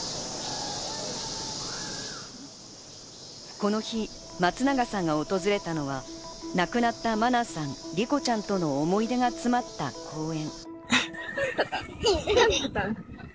この日、松永さんが訪れたのは、亡くなった真菜さん、莉子ちゃんとの思い出が詰まった公園。